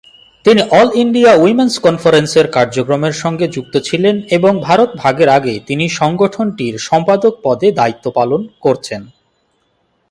তিনি all India women's কনফারেন্সের কার্যক্রমের সঙ্গে যুক্ত ছিলেন এবং ভারত ভাগের আগে তিনি সংগঠনটির সম্পাদক পদে দায়িত্ব পালন করছেন।